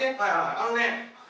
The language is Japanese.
あのね僕。